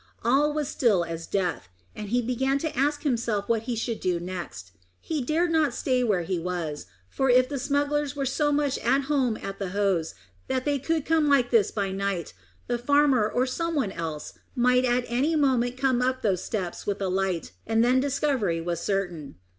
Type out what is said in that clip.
All was still as death, and he began to ask himself what he should do next. He dared not stay where he was, for if the smugglers were so much at home at the Hoze that they could come like this by night, the farmer or some one else might at any moment come up those steps with a light, and then discovery was certain.